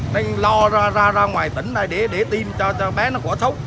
nên lo ra ngoài tỉnh này để tiêm cho bé nó có xấu